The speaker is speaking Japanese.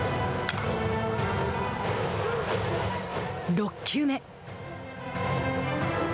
６球目。